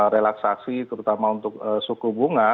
relaksasi terutama untuk suku bunga